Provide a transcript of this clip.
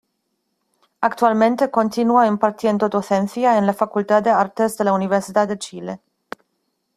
Actualmente continúa impartiendo docencia en la Facultad de Artes de la Universidad de Chile.